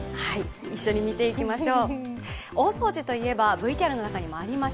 一緒に見ていきましょう。